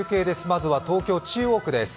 まずは東京・中央区です。